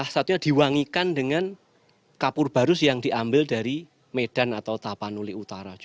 satunya diwangikan dengan kapur baru yang diambil dari medan atau tapanuli utara